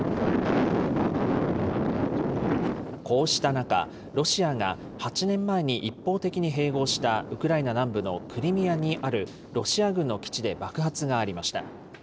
こうした中、ロシアが８年前に一方的に併合したウクライナ南部のクリミアにあるロシア軍の基地で爆発がありました。